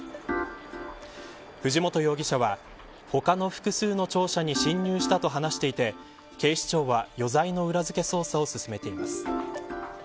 藤本容疑者は、他の複数の庁舎に侵入したと話していて警視庁は、余罪の裏付け捜査を進めています。